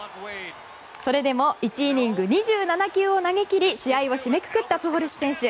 それでも１イニング２７球を投げ切り試合を締めくくったプホルス選手。